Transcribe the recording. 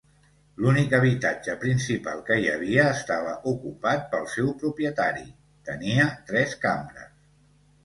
L'únic habitatge principal que hi havia estava ocupat pel seu propietari; tenia tres cambres.